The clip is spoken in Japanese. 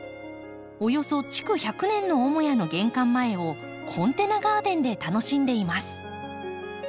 およそ築１００年の母屋の玄関前をコンテナガーデンで楽しんでいます。